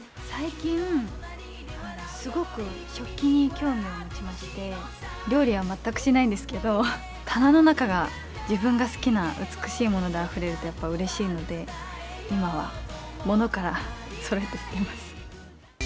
最近、すごく食器に興味を持ちまして、料理は全くしないんですけど、棚の中が自分が好きな美しいものであふれるとやっぱりうれしいので、今は物からそろえていっています。